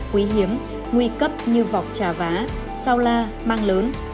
quý hiếm nguy cấp như vọc trà vá sao la mang lớn